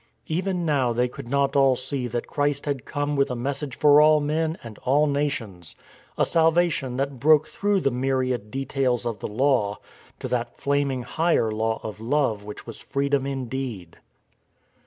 Even now they could not all see that Christ had come with a message for all men and all nations, a salvation that broke through the myriad details of the law to that flaming higher law of love which was freedom indeed.